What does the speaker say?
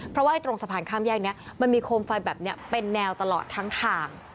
เพราะว่าตรงสะพานข้ามแยกนี้มันมีโคมไฟแบบนี้เป็นแนวตลอดทั้งทาง